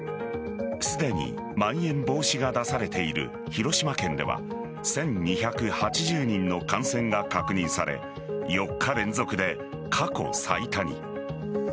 すでにまん延防止が出されている広島県では１２８０人の感染が確認され４日連続で過去最多に。